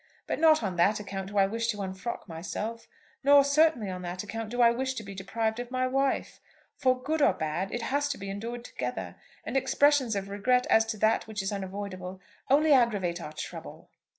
But not on that account do I wish to unfrock myself; nor certainly on that account do I wish to be deprived of my wife. For good or bad, it has to be endured together; and expressions of regret as to that which is unavoidable, only aggravate our trouble."